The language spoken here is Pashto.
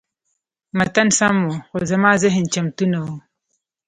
متن سم و، خو زما ذهن چمتو نه و.